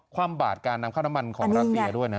ความบาดการนำเข้าน้ำมันของรัสเซียด้วยนะ